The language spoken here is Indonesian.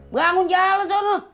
bangun jalan coba